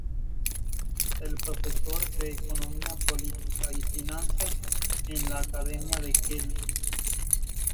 Es profesor de economía política y finanzas en la Academia de Kehl.